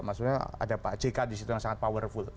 maksudnya ada pak jk di situ yang sangat powerful